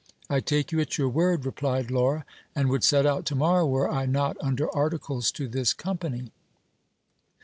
I take you at your word, replied Laura, and would set out to morrow, were I not un der articles to this company.